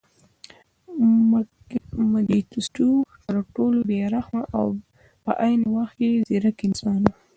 منګیسټیو تر ټولو بې رحمه او په عین وخت کې ځیرک انسان و.